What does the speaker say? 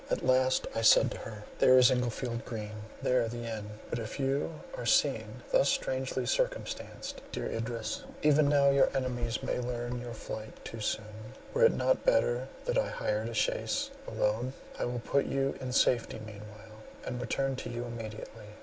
At last I said to her, "There is Englefield Green; there the inn. But, if you are seen thus strangely circumstanced, dear Idris, even now your enemies may learn your flight too soon: were it not better that I hired the chaise alone? I will put you in safety meanwhile, and return to you immediately."